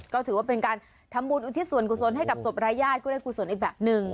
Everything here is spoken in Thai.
ก็ถือว่าเป็นการทำบุญอุทิศส่วนกุศลให้กับศพรายญาติก็ได้กุศลอีกแบบหนึ่ง